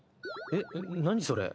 えっ何それ？